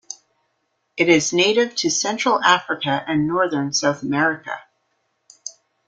It is native to central Africa and northern South America.